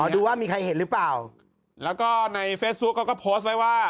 ดูว่ามีใครเห็นหรือเปล่าแล้วก็ในเฟซบุ๊คเขาก็โพสต์ไว้ว่า